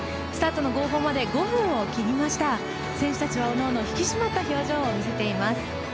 スタートの号砲まで５分を切りました選手たちはおのおの引き締まった表情を見せています。